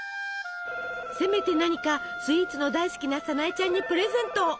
せめて何かスイーツの大好きなさなえちゃんにプレゼントを！